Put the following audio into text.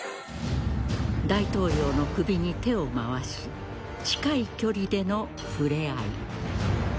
大統領の首に手を回し近い距離での触れ合い。